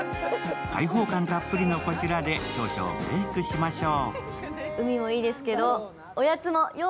開放感たっぷりのこちらで少々ブレークしましょう。